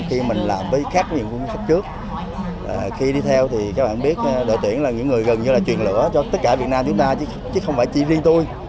khi mình làm với khách trước khi đi theo thì các bạn biết đội tuyển là những người gần như là truyền lửa cho tất cả việt nam chúng ta chứ không phải chỉ riêng tôi